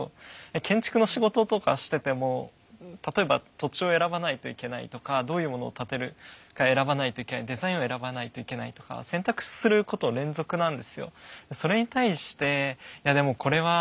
建築の仕事とかしてても例えば土地を選ばないといけないとかどういうものを建てるか選ばないといけないデザインを選ばないといけないとか選択することの連続なんですよ。